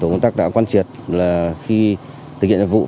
công tác đã quan triệt là khi thực hiện nhiệm vụ